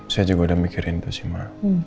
saya juga udah mikirin itu sih mbak